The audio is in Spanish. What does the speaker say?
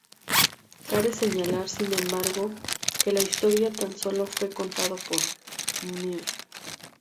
Cabe señalar, sin embargo, que la historia tan sólo fue contada por Mr.